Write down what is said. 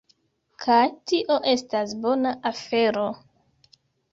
Kaj tio estas bona afero